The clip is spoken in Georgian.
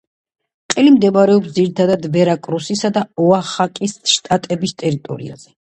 ყელი მდებარეობს ძირითადად ვერაკრუსისა და ოახაკის შტატების ტერიტორიაზე.